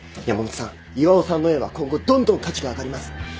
山本さん巌さんの絵は今後どんどん価値が上がります。